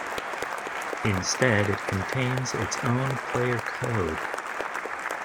Instead it contains its own player code.